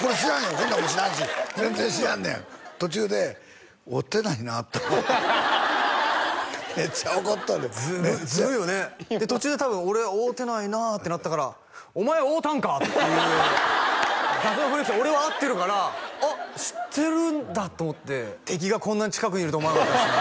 こんなんも知らんし全然知らんねん途中で会うてないなと思っためっちゃ怒っとるずるいずるいよねで途中多分俺会うてないなってなったから「お前会うたんか？」っていう雑な振りして俺は会ってるからあっ知ってるんだと思って敵がこんなに近くにいるとは思わなかったっすね